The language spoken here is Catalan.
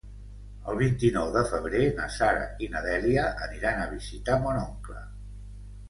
El vint-i-nou de febrer na Sara i na Dèlia aniran a visitar mon oncle.